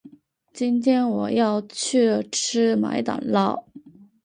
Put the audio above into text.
今天我要去吃麦当劳。